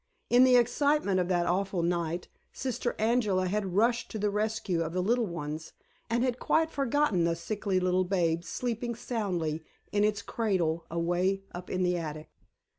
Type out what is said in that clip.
In the excitement of that awful night, Sister Angela had rushed to the rescue of the little ones, and had quite forgotten the sickly little babe sleeping soundly in its cradle away up in the attic.